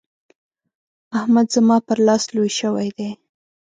احمد زما پر لاس لوی شوی دی.